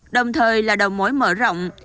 đồng thời là đầu mối mở rộng